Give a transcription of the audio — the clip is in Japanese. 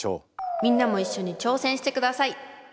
みんなも一緒に挑戦してください。